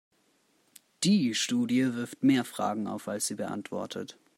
Die Studie wirft mehr Fragen auf, als sie beantwortet.